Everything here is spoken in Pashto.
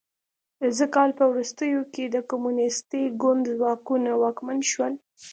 د ز کال په وروستیو کې د کمونیستي ګوند ځواکونه واکمن شول.